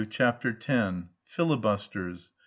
CHAPTER X. FILIBUSTERS.